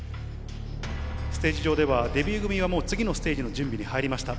ステージ上では、デビュー組はもう次のステージの準備に入りました。